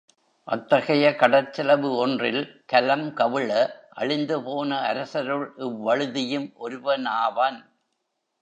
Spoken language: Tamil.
அத்தகைய கடற்செலவு ஒன்றில், கலங் கவிழ, அழிந்துபோன அரசருள் இவ்வழுதியும் ஒருவனாவன்.